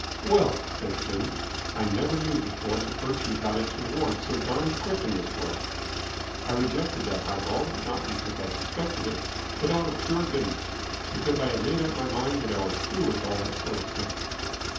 "Well," said Jimmy, "I never knew before that virtue got its reward so darned quick in this world. I rejected that high ball not because I suspected it but out of pure goodness, because I had made up my mind that I was through with all that sort of thing."